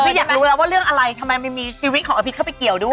อยากรู้แล้วว่าเรื่องอะไรทำไมมันมีชีวิตของอภิษเข้าไปเกี่ยวด้วย